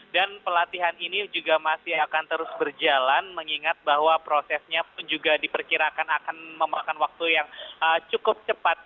dan pelatihan ini juga masih akan terus berjalan mengingat bahwa prosesnya juga diperkirakan akan memakan waktu yang cukup cepat